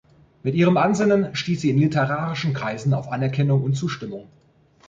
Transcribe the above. Mit ihrem Ansinnen stieß sie in literarischen Kreisen auf Anerkennung und Zustimmung.